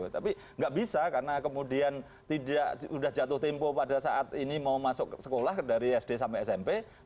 tapi nggak bisa karena kemudian sudah jatuh tempo pada saat ini mau masuk sekolah dari sd sampai smp